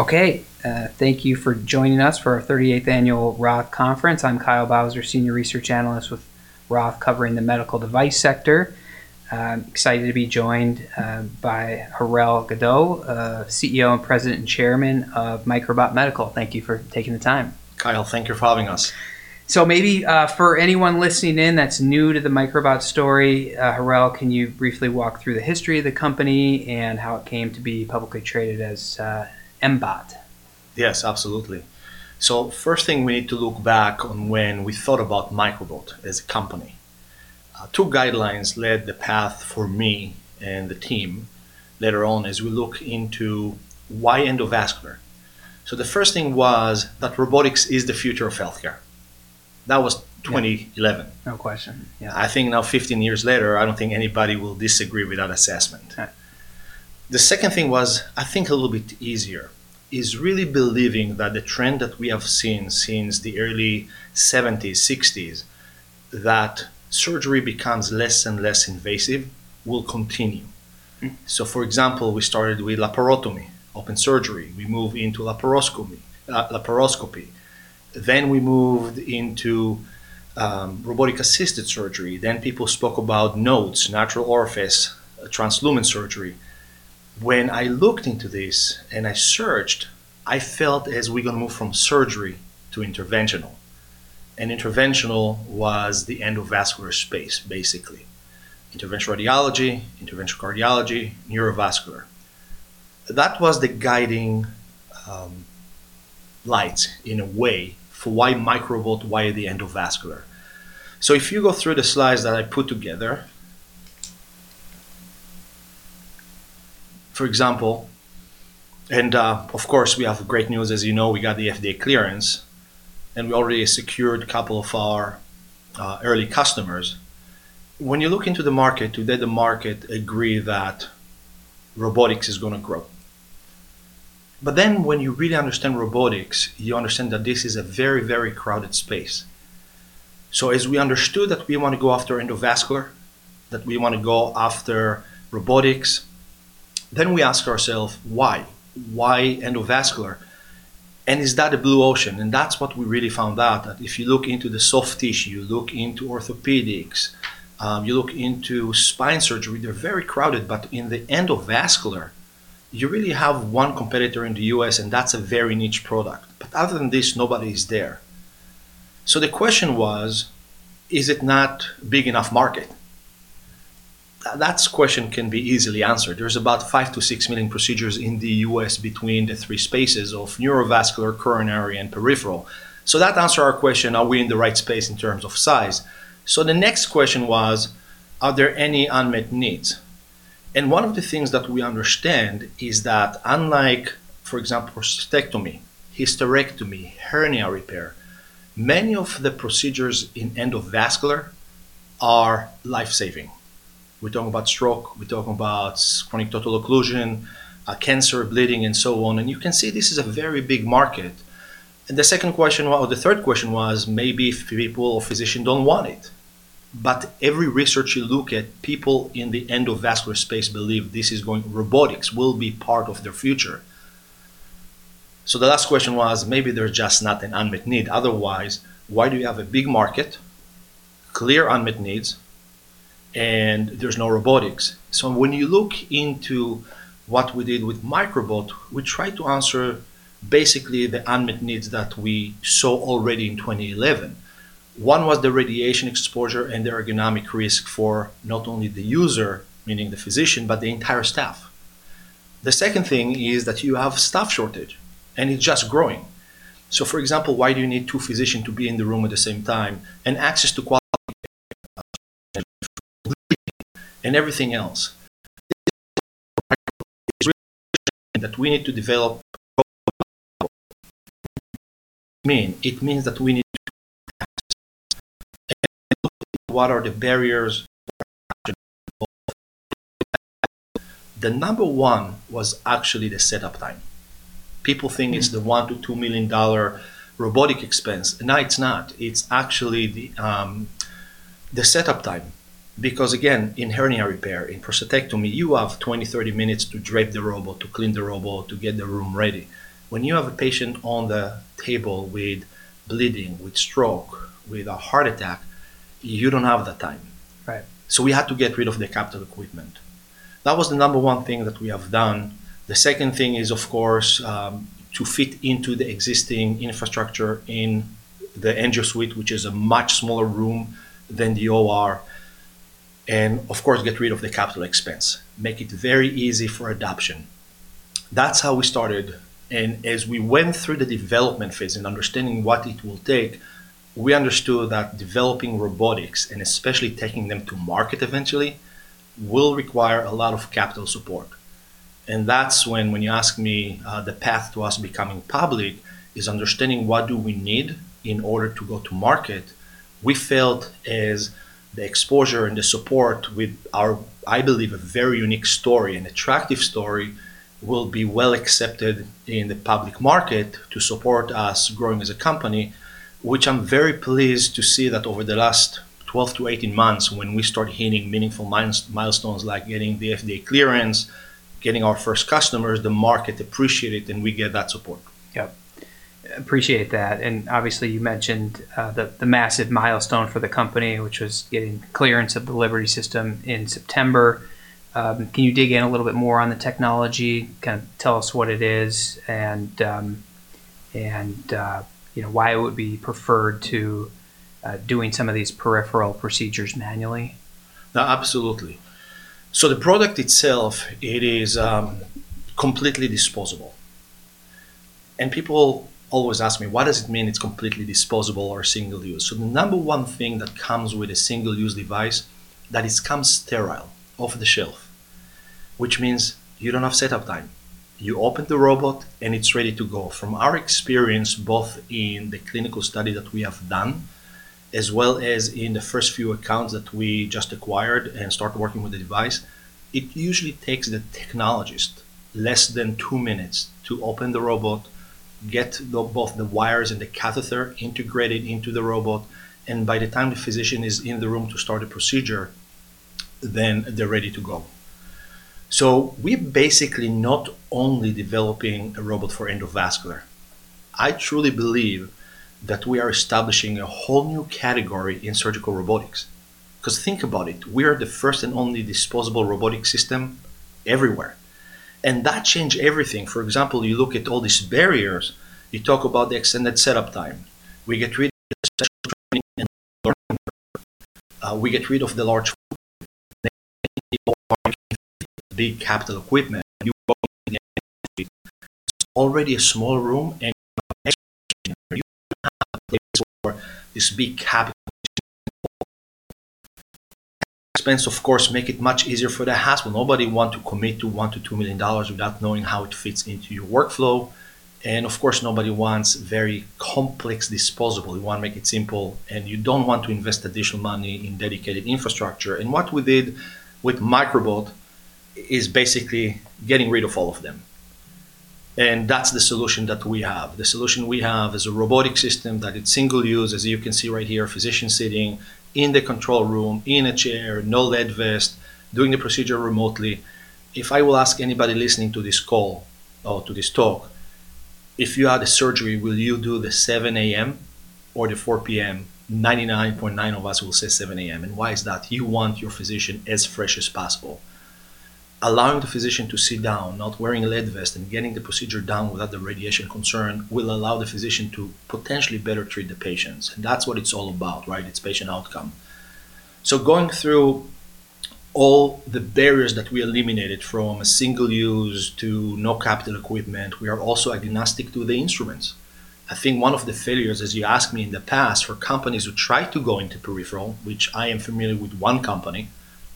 Okay. Thank you for joining us for our 38th Annual ROTH Conference. I'm Kyle Bauser, Senior Research Analyst with ROTH, covering the medical device sector. I'm excited to be joined by Harel Gadot, CEO and President and Chairman of Microbot Medical. Thank you for taking the time. Kyle, thank you for having us. Maybe for anyone listening in that's new to the Microbot story, Harel, can you briefly walk through the history of the company and how it came to be publicly traded as MBOT? Yes, absolutely. First thing we need to look back on when we thought about Microbot as a company. Two guidelines led the path for me and the team later on as we look into why endovascular. The first thing was that robotics is the future of healthcare. That was 2011. No question. Yeah. I think now 15 years later, I don't think anybody will disagree with that assessment. Yeah. The second thing was, I think a little bit easier, is really believing that the trend that we have seen since the early '70s, '60s, that surgery becomes less and less invasive will continue. For example, we started with laparotomy, open surgery. We move into laparoscopy. We moved into robotic-assisted surgery. People spoke about NOTES, natural orifice transluminal surgery. When I looked into this and I searched, I felt as we going to move from surgery to interventional, and interventional was the endovascular space, basically. Interventional radiology, interventional cardiology, neurovascular. That was the guiding light in a way for why Microbot, why the endovascular. If you go through the slides that I put together, for example, and of course we have great news. As you know, we got the FDA clearance, and we already secured couple of our early customers. When you look into the market, did the market agree that robotics is going to grow? When you really understand robotics, you understand that this is a very crowded space. As we understood that we want to go after endovascular, that we want to go after robotics, we ask ourself why? Why endovascular? Is that a blue ocean? That's what we really found out, that if you look into the soft tissue, you look into orthopedics, you look into spine surgery, they're very crowded. In the endovascular, you really have one competitor in the U.S., and that's a very niche product. Other than this, nobody's there. The question was, is it not big enough market? That question can be easily answered. There's about 5 million-6 million procedures in the U.S. between the three spaces of neurovascular, coronary, and peripheral. That answer our question, are we in the right space in terms of size? The next question was, are there any unmet needs? One of the things that we understand is that unlike, for example, prostatectomy, hysterectomy, hernia repair, many of the procedures in endovascular are life-saving. We're talking about stroke, we're talking about chronic total occlusion, cancer bleeding, and so on. You can see this is a very big market. The third question was maybe people or physician don't want it. Every research you look at, people in the endovascular space believe robotics will be part of their future. The last question was, maybe there's just not an unmet need. Otherwise, why do you have a big market, clear unmet needs, and there's no robotics? When you look into what we did with Microbot, we try to answer basically the unmet needs that we saw already in 2011. One was the radiation exposure and the ergonomic risk for not only the user, meaning the physician, but the entire staff. The second thing is that you have staff shortage, and it's just growing. For example, why do you need two physician to be in the room at the same time, and access to quality and everything else. The number one was actually the setup time. People think it's the $1 million-$2 million robotic expense. No, it's not. It's actually the setup time. Because again, in hernia repair, in prostatectomy, you have 20, 30 minutes to drape the robot, to clean the robot, to get the room ready. When you have a patient on the table with bleeding, with stroke, with a heart attack, you don't have the time. Right. We had to get rid of the capital equipment. That was the number one thing that we have done. The second thing is, of course, to fit into the existing infrastructure in the endo suite, which is a much smaller room than the OR, and of course, get rid of the capital expense, make it very easy for adoption. That's how we started, as we went through the development phase and understanding what it will take, we understood that developing robotics, and especially taking them to market eventually, will require a lot of capital support. That's when you ask me the path to us becoming public is understanding what do we need in order to go to market. We felt as the exposure and the support with our, I believe, a very unique story, an attractive story, will be well accepted in the public market to support us growing as a company, which I'm very pleased to see that over the last 12-18 months, when we start hitting meaningful milestones like getting the FDA clearance, getting our first customers, the market appreciate it, and we get that support. Yeah. Appreciate that. Obviously you mentioned the massive milestone for the company, which was getting clearance of the LIBERTY system in September. Can you dig in a little bit more on the technology, kind of tell us what it is, and why it would be preferred to doing some of these peripheral procedures manually? No, absolutely. The product itself, it is completely disposable. People always ask me: What does it mean it's completely disposable or single-use? The number one thing that comes with a single-use device, that it comes sterile off the shelf, which means you don't have setup time. You open the robot, and it's ready to go. From our experience, both in the clinical study that we have done as well as in the first few accounts that we just acquired and start working with the device, it usually takes the technologist less than two minutes to open the robot, get both the wires and the catheter integrated into the robot, and by the time the physician is in the room to start a procedure, then they're ready to go. We're basically not only developing a robot for endovascular. I truly believe that we are establishing a whole new category in surgical robotics. Because think about it, we are the first and only disposable robotic system everywhere, and that change everything. For example, you look at all these barriers. You talk about the extended setup time. We get rid of the special training and the learning curve. We get rid of the large footprint. You don't need a large infrastructure, big capital equipment. You go in the interventional suite. It's already a small room, and you have an X-ray machine there. You don't have the place for this big capital machine and all. The expense, of course, make it much easier for the hospital. Nobody want to commit to $1 million-$2 million without knowing how it fits into your workflow, and of course, nobody wants very complex disposable. You want to make it simple, you don't want to invest additional money in dedicated infrastructure. What we did with Microbot is basically getting rid of all of them, that's the solution that we have. The solution we have is a robotic system that it's single use. As you can see right here, a physician sitting in the control room in a chair, no lead vest, doing the procedure remotely. If I will ask anybody listening to this call or to this talk, if you had a surgery, will you do the 7:00 A.M. or the 4:00 P.M.? 99.9 of us will say 7:00 A.M. Why is that? You want your physician as fresh as possible. Allowing the physician to sit down, not wearing a lead vest, getting the procedure done without the radiation concern will allow the physician to potentially better treat the patients. That's what it's all about, right? It's patient outcome. Going through all the barriers that we eliminated from a single use to no capital equipment, we are also agnostic to the instruments. I think one of the failures, as you asked me in the past, for companies who try to go into peripheral, which I am familiar with one company,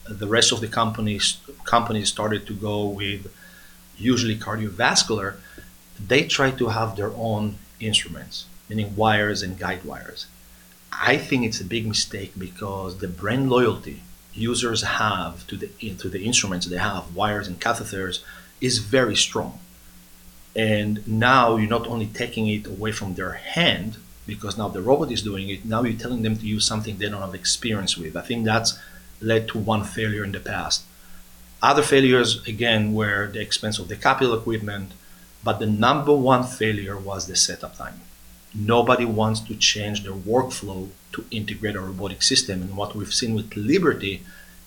the rest of the companies started to go with usually cardiovascular. They try to have their own instruments, meaning wires and guide wires. I think it's a big mistake because the brand loyalty users have to the instruments they have, wires and catheters, is very strong. Now you're not only taking it away from their hand because now the robot is doing it, now you're telling them to use something they don't have experience with. I think that's led to one failure in the past. Other failures, again, were the expense of the capital equipment, the number one failure was the setup time. Nobody wants to change their workflow to integrate a robotic system, what we've seen with LIBERTY,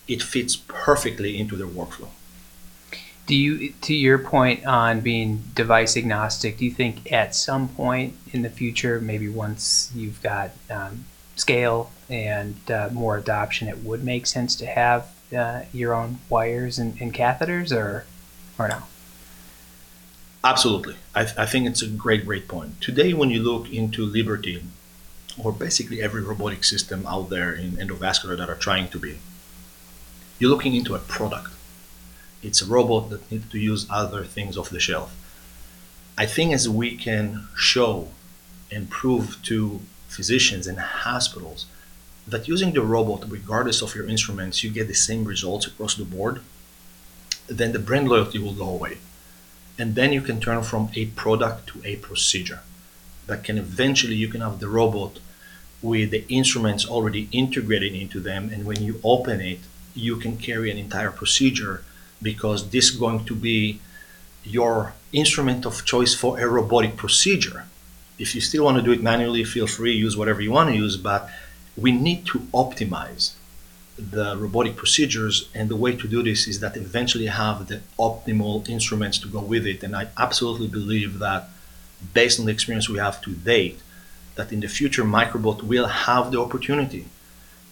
it fits perfectly into their workflow. To your point on being device agnostic, do you think at some point in the future, maybe once you've got scale and more adoption, it would make sense to have your own wires and catheters or no? Absolutely. I think it's a great point. Today, when you look into LIBERTY or basically every robotic system out there in endovascular that are trying to be, you're looking into a product. It's a robot that need to use other things off the shelf. I think as we can show and prove to physicians and hospitals that using the robot, regardless of your instruments, you get the same results across the board, then the brand loyalty will go away. Then you can turn from a product to a procedure that can eventually you can have the robot with the instruments already integrated into them, and when you open it, you can carry an entire procedure because this is going to be your instrument of choice for a robotic procedure. If you still want to do it manually, feel free. Use whatever you want to use, but we need to optimize the robotic procedures, and the way to do this is that eventually have the optimal instruments to go with it. I absolutely believe that based on the experience we have to date, that in the future, Microbot will have the opportunity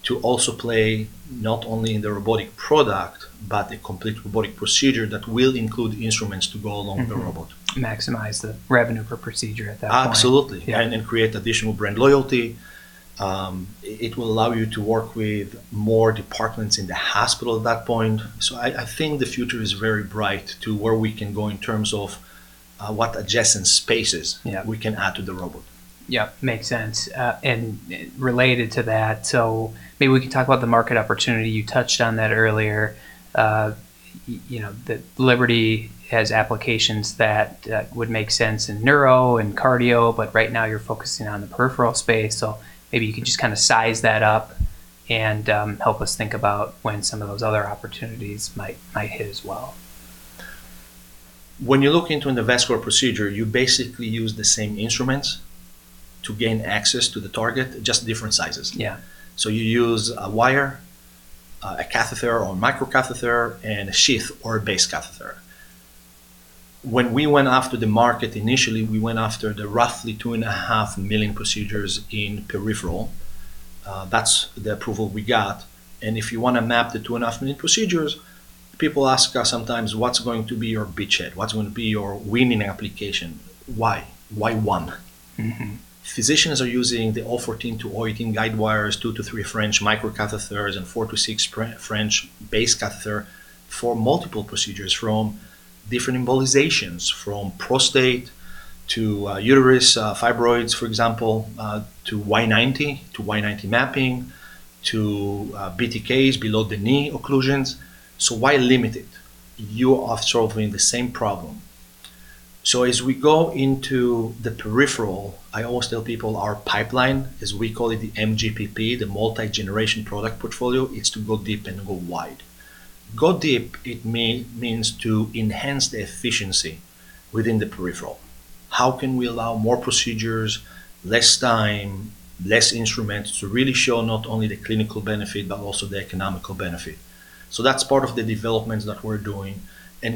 to also play not only in the robotic product, but a complete robotic procedure that will include instruments to go along the robot. Maximize the revenue per procedure at that point. Absolutely. Yeah. Create additional brand loyalty. It will allow you to work with more departments in the hospital at that point. I think the future is very bright to where we can go. Yeah we can add to the robot. Related to that, maybe we can talk about the market opportunity. You touched on that earlier. The LIBERTY has applications that would make sense in neuro and cardio, but right now you're focusing on the peripheral space. Maybe you can just kind of size that up and help us think about when some of those other opportunities might hit as well. When you look into an invasive procedure, you basically use the same instruments to gain access to the target, just different sizes. Yeah. You use a wire, a catheter or microcatheter, and a sheath or a base catheter. When we went after the market initially, we went after the roughly two and a half million procedures in peripheral. That's the approval we got. If you want to map the two and a half million procedures, people ask us sometimes, "What's going to be your beachhead? What's going to be your winning application? Why? Why one? Physicians are using the 0.014 to 0.018 guide wires, 2 to 3 French microcatheters, and 4 to 6 French base catheter for multiple procedures, from different embolizations, from prostate to uterus fibroids, for example, to Y90, to Y90 mapping, to BTKs, Below-the-Knee occlusions. Why limit it? You are solving the same problem. As we go into the peripheral, I always tell people our pipeline, as we call it, the MGPP, the multi-generation product portfolio, is to go deep and go wide. Go deep, it means to enhance the efficiency within the peripheral. How can we allow more procedures, less time, less instruments, to really show not only the clinical benefit but also the economical benefit? That's part of the developments that we're doing.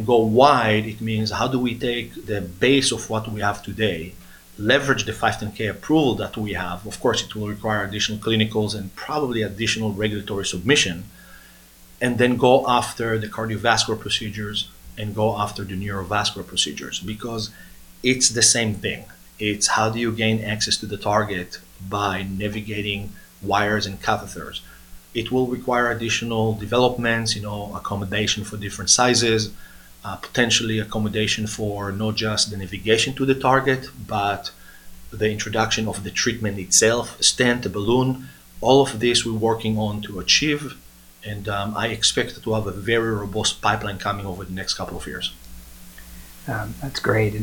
Go wide, it means how do we take the base of what we have today, leverage the 510(k) approval that we have, of course, it will require additional clinicals and probably additional regulatory submission, and then go after the cardiovascular procedures and go after the neurovascular procedures. It's the same thing. It's how do you gain access to the target by navigating wires and catheters. It will require additional developments, accommodation for different sizes, potentially accommodation for not just the navigation to the target, but the introduction of the treatment itself, a stent, a balloon. All of this we're working on to achieve, and I expect to have a very robust pipeline coming over the next couple of years. That's great.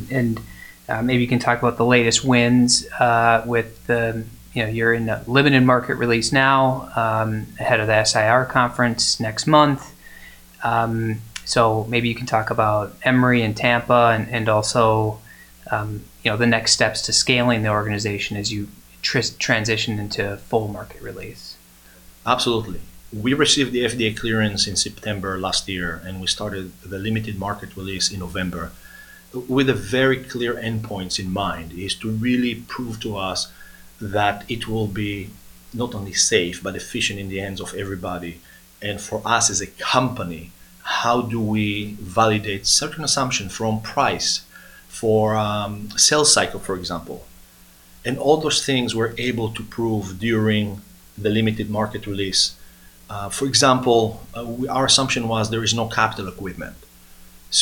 Maybe you can talk about the latest wins. You're in the limited market release now, ahead of the SIR conference next month. Maybe you can talk about Emory and Tampa and also the next steps to scaling the organization as you transition into full market release. Absolutely. We received the FDA clearance in September last year, we started the limited market release in November with a very clear endpoint in mind, is to really prove to us that it will be not only safe but efficient in the hands of everybody. For us as a company, how do we validate certain assumptions from price, for sales cycle, for example. All those things we're able to prove during the limited market release. For example, our assumption was there is no capital equipment.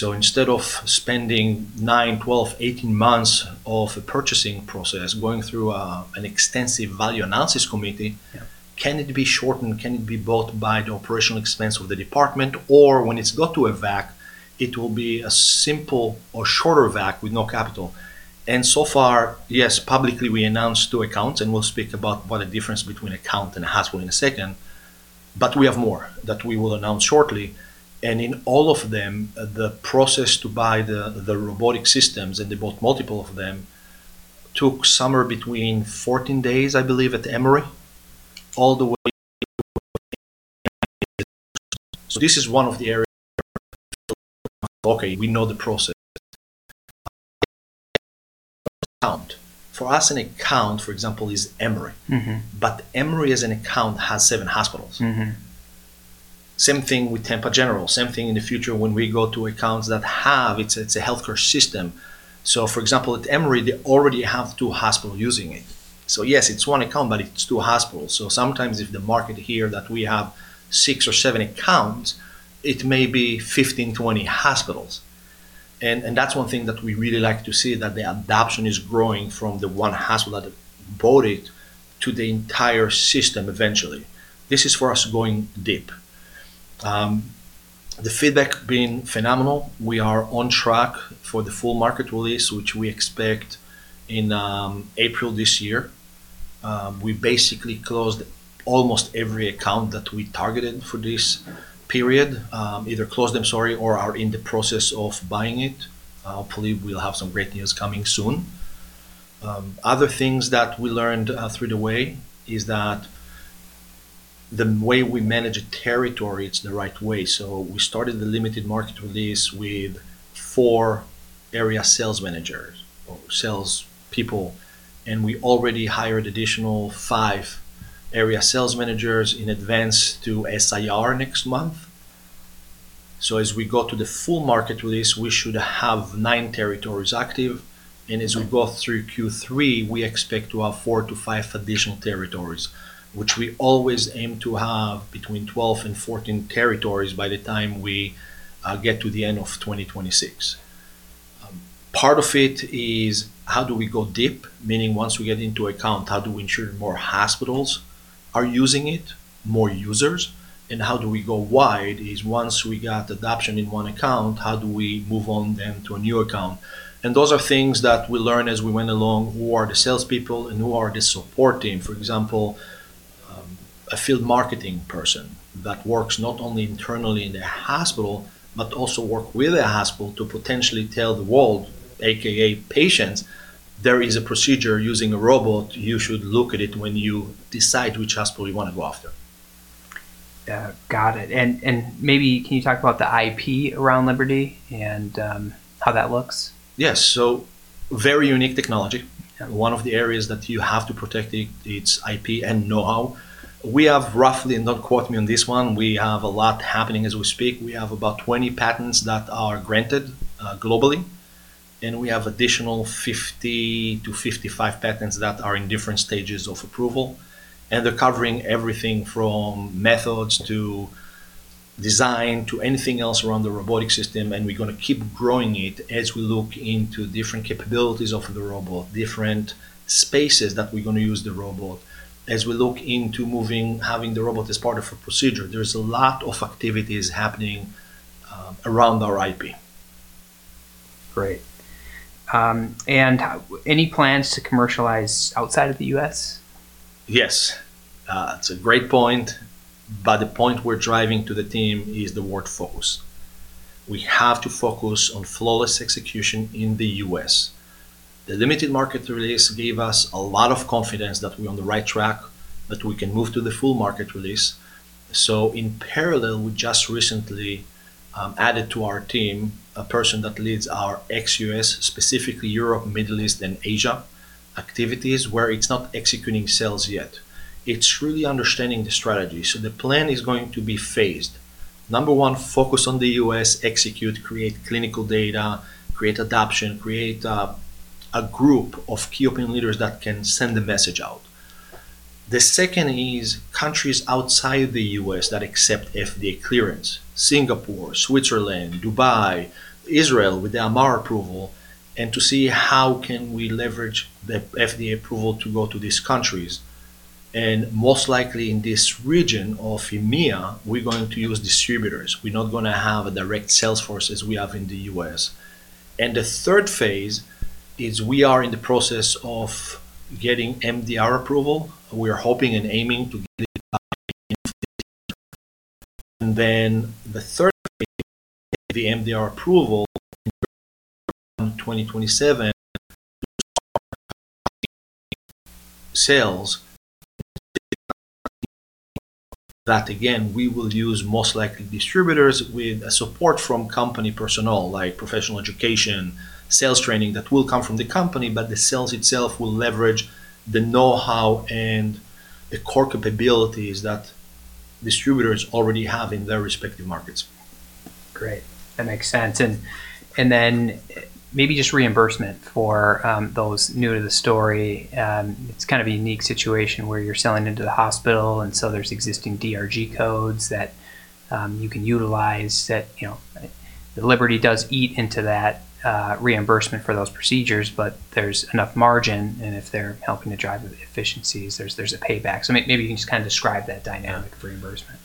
Instead of spending 9, 12, 18 months of a purchasing process going through an extensive value analysis committee- Yeah Can it be shortened? Can it be bought by the operational expense of the department? When it's got to a VAC, it will be a simple or shorter VAC with no capital. So far, yes, publicly, we announced two accounts, and we'll speak about what the difference between account and a hospital in a second, but we have more that we will announce shortly. In all of them, the process to buy the robotic systems, and they bought multiple of them, took somewhere between 14 days, I believe, at Emory, all the way. This is one of the areas where okay, we know the process. For us, an account, for example, is Emory. Emory as an account has seven hospitals. Same thing with Tampa General. Same thing in the future when we go to accounts that have a healthcare system. For example, at Emory, they already have two hospitals using it. Yes, it's one account, but it's two hospitals. Sometimes if the market hear that we have six or seven accounts, it may be 15, 20 hospitals. That's one thing that we really like to see, that the adoption is growing from the one hospital that bought it to the entire system eventually. This is for us going deep. The feedback been phenomenal. We are on track for the full market release, which we expect in April this year. We basically closed almost every account that we targeted for this period. Either closed them, sorry, or are in the process of buying it. Hopefully, we'll have some great news coming soon. Other things that we learned through the way is that the way we manage a territory, it's the right way. We started the limited market release with four area sales managers or sales people, and we already hired additional five area sales managers in advance to SIR next month. As we go to the full market release, we should have nine territories active. As we go through Q3, we expect to have four to five additional territories, which we always aim to have between 12 and 14 territories by the time we get to the end of 2026. Part of it is how do we go deep, meaning once we get into account, how do we ensure more hospitals are using it, more users? How do we go wide, is once we got adoption in one account, how do we move on then to a new account? Those are things that we learn as we went along, who are the salespeople and who are the support team. For example, a field marketing person that works not only internally in the hospital, but also work with the hospital to potentially tell the world, AKA patients, there is a procedure using a robot. You should look at it when you decide which hospital you want to go after. Got it. Maybe can you talk about the IP around LIBERTY and how that looks? Yes. Very unique technology. One of the areas that you have to protect its IP and know-how. We have roughly, don't quote me on this one, we have a lot happening as we speak. We have about 20 patents that are granted globally, we have additional 50 to 55 patents that are in different stages of approval. They're covering everything from methods to design to anything else around the robotic system, and we're going to keep growing it as we look into different capabilities of the robot, different spaces that we're going to use the robot, as we look into having the robot as part of a procedure. There's a lot of activities happening around our IP. Great. Any plans to commercialize outside of the U.S.? It's a great point. The point we're driving to the team is the word focus. We have to focus on flawless execution in the U.S. The limited market release gave us a lot of confidence that we're on the right track, that we can move to the full market release. In parallel, we just recently added to our team a person that leads our ex-U.S., specifically Europe, Middle East, and Asia activities, where it's not executing sales yet. It's really understanding the strategy. The plan is going to be phased. Number one, focus on the U.S., execute, create clinical data, create adoption, create a group of key opinion leaders that can send the message out. The second is countries outside the U.S. that accept FDA clearance, Singapore, Switzerland, Dubai, Israel with the AMAR approval, to see how can we leverage the FDA approval to go to these countries. Most likely in this region of EMEA, we're going to use distributors. We're not going to have a direct sales force as we have in the U.S. The third phase is we are in the process of getting MDR approval. We are hoping and aiming to get it by the end of this year. The third phase is to get the MDR approval in the first quarter of 2027 to start marketing and doing sales in the rest of EMEA. That again, we will use most likely distributors with support from company personnel, like professional education, sales training that will come from the company, but the sales itself will leverage the knowhow and the core capabilities that distributors already have in their respective markets. Great. That makes sense. Maybe just reimbursement for those new to the story. It's kind of a unique situation where you're selling into the hospital, there's existing DRG codes that you can utilize that LIBERTY does eat into that reimbursement for those procedures, but there's enough margin, and if they're helping to drive efficiencies, there's a payback. Maybe you can just describe that dynamic for reimbursement.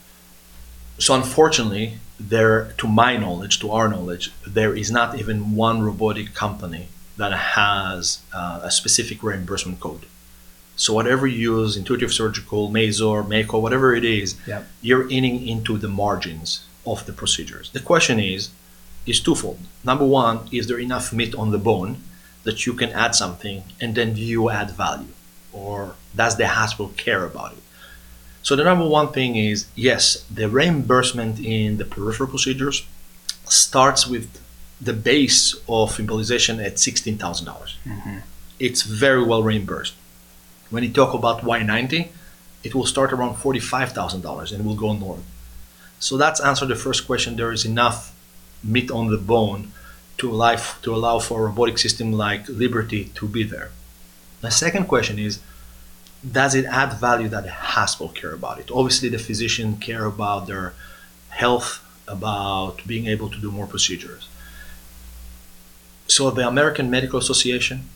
Unfortunately, to my knowledge, to our knowledge, there is not even one robotic company that has a specific reimbursement code. Whatever you use, Intuitive Surgical, Mazor, Mako, whatever it is. Yeah You're eating into the margins of the procedures. The question is twofold. Number one, is there enough meat on the bone that you can add something, and then do you add value, or does the hospital care about it? The number one thing is, yes, the reimbursement in the peripheral procedures starts with the base of embolization at $16,000. It's very well reimbursed. When you talk about Y90, it will start around $45,000, and it will go north. That's answered the first question, there is enough meat on the bone to allow for a robotic system like LIBERTY to be there. The second question is, does it add value that a hospital care about it? Obviously, the physician care about their health, about being able to do more procedures. The American Medical Association,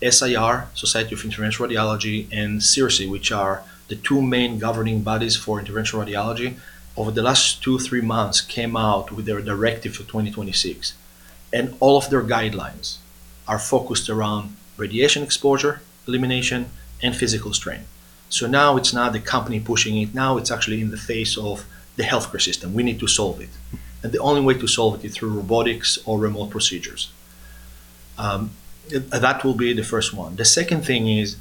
SIR, Society of Interventional Radiology, and CIRSE, which are the two main governing bodies for interventional radiology, over the last two, three months came out with their directive for 2026, and all of their guidelines are focused around radiation exposure, elimination, and physical strain. Now it's not the company pushing it. Now it's actually in the face of the healthcare system. We need to solve it. The only way to solve it is through robotics or remote procedures. That will be the first one. The second thing is,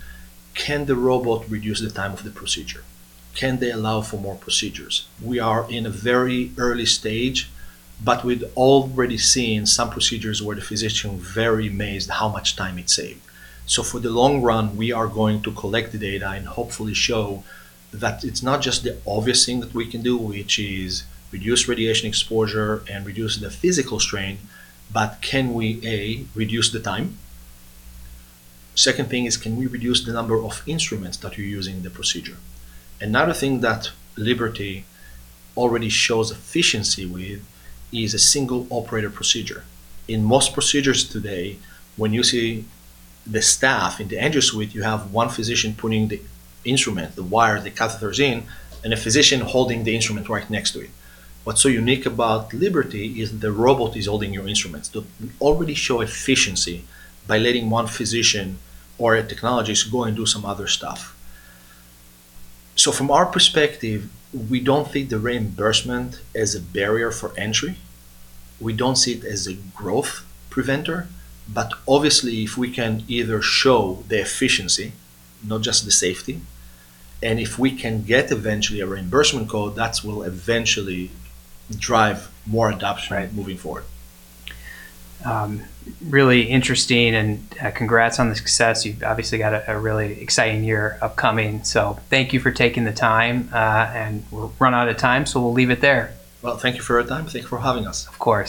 can the robot reduce the time of the procedure? Can they allow for more procedures? We are in a very early stage, but we'd already seen some procedures where the physician very amazed how much time it saved. For the long run, we are going to collect the data and hopefully show that it's not just the obvious thing that we can do, which is reduce radiation exposure and reduce the physical strain, but can we, A, reduce the time? Second thing is, can we reduce the number of instruments that you use in the procedure? Another thing that LIBERTY already shows efficiency with is a single operator procedure. In most procedures today, when you see the staff in the angio suite, you have one physician putting the instrument, the wire, the catheters in, and a physician holding the instrument right next to it. What's so unique about LIBERTY is the robot is holding your instruments. We already show efficiency by letting one physician or a technologist go and do some other stuff. From our perspective, we don't think the reimbursement is a barrier for entry. We don't see it as a growth preventer. Obviously, if we can either show the efficiency, not just the safety, and if we can get eventually a reimbursement code, that will eventually drive more adoption. Right moving forward. Really interesting, congrats on the success. You've obviously got a really exciting year upcoming. Thank you for taking the time, and we've run out of time, so we'll leave it there. Well, thank you for your time. Thank you for having us. Of course.